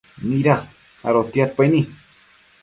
mida adotiadpaini